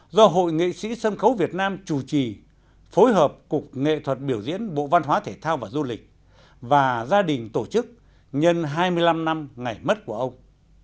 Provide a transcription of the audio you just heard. do hội nghệ sĩ sân khấu việt nam chủ trì phối hợp cục nghệ thuật biểu diễn bộ văn hóa thể thao và du lịch và gia đình tổ chức nhân hai mươi năm năm ngày mất của ông